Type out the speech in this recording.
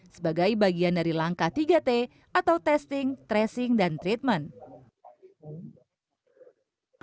sebagai bagian dari langkah tiga t atau testing tracing dan treatment